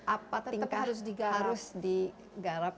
apa tingkat harus digarap